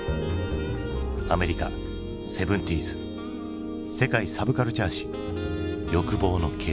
アメリカ７０ｓ「世界サブカルチャー史欲望の系譜」。